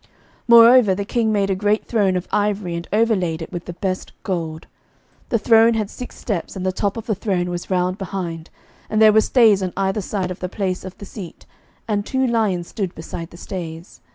11:010:018 Moreover the king made a great throne of ivory, and overlaid it with the best gold. 11:010:019 The throne had six steps, and the top of the throne was round behind: and there were stays on either side on the place of the seat, and two lions stood beside the stays.